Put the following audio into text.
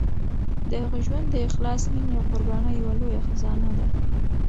د هغوی ژوند د اخلاص، مینې او قربانۍ یوه لویه خزانه ده.